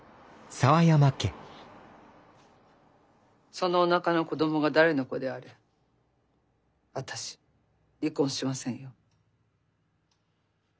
そのおなかの子どもが誰の子であれ私離婚しませんよ。